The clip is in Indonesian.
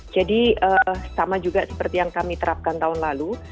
jadi sama juga seperti yang kami terapkan tahun lalu